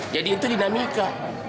jadi itu dinamika